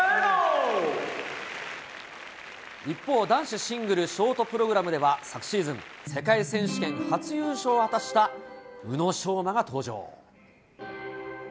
一方、男子シングルショートプログラムでは、昨シーズン、世界選手権初優勝を果たした宇野昌磨が登場。